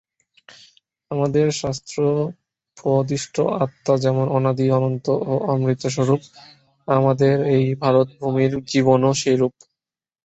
আমাদের শাস্ত্রোপদিষ্ট আত্মা যেমন অনাদি অনন্ত ও অমৃতস্বরূপ, আমাদের এই ভারতভূমির জীবনও সেইরূপ।